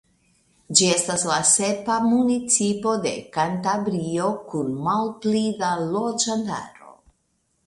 Ĝi estas la sepa municipo de Kantabrio kun malpli da loĝantaro.